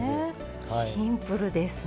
シンプルですね。